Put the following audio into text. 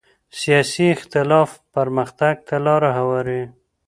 سیاسي اختلاف پرمختګ ته لاره هواروي